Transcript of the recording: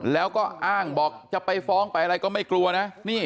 แล้วก็อ้างบอกจะไปฟ้องไปอะไรก็ไม่กลัวนะ